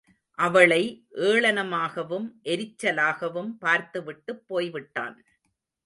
அவளை ஏளனமாகவும் எரிச்சலாகவும் பார்த்துவிட்டுப் போய்விட்டான்.